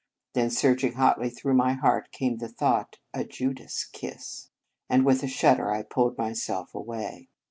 Then, surging hotly through my heart, came the thought, a Judas kiss; and with a shudder I pulled myself away.